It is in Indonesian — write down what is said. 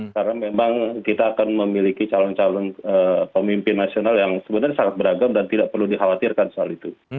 karena memang kita akan memiliki calon calon pemimpin nasional yang sebenarnya sangat beragam dan tidak perlu dikhawatirkan soal itu